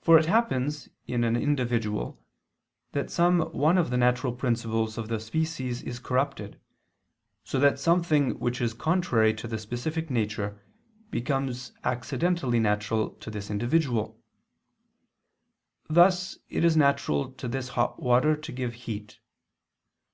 For it happens in an individual that some one of the natural principles of the species is corrupted, so that something which is contrary to the specific nature, becomes accidentally natural to this individual: thus it is natural to this hot water to give heat.